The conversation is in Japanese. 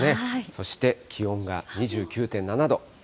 そして、気温が２９．７度。